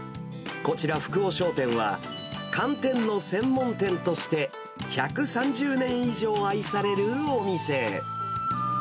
こちら、福尾商店は、寒天の専門店として、１３０年以上愛されるお店。